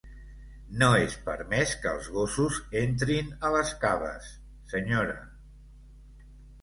No és permès que els gossos entrin a les Caves, senyora.